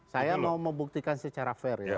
saya mau membuktikan secara fair ya